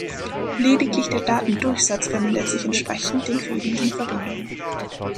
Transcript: Lediglich der Datendurchsatz vermindert sich entsprechend den fehlenden Verbindungen.